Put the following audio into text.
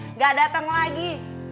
enggak datang lagi